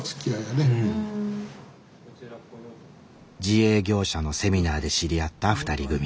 自営業者のセミナーで知り合った２人組。